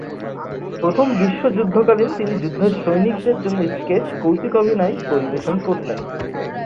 প্রথম বিশ্বযুদ্ধকালীন তিনি যুদ্ধের সৈনিকদের জন্য স্কেচ কৌতুকাভিনয় পরিবেশন করতেন।